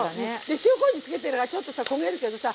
で塩こうじつけてるからちょっとさ焦げるけどさ